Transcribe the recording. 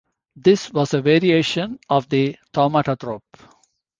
This was a variation of the thaumatrope.